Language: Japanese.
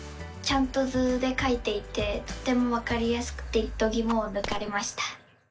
ちゃんと図でかいていてとてもわかりやすくてどぎもをぬかれました！